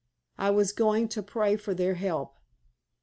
I was going to pray for their help.